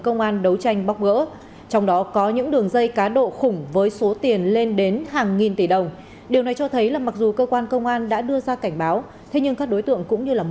công an xã thành sơn nói riêng thêm một lần nữa cho thấy những ý nghĩa